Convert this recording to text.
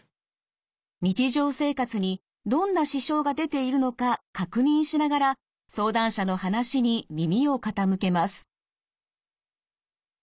日常生活にどんな支障が出ているのか確認しながら相談者の話に耳を傾けます。